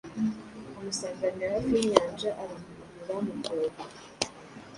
amusanganira hafi yinyanja Aramukurura mu rwobo